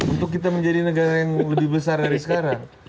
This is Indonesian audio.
untuk kita menjadi negara yang lebih besar dari sekarang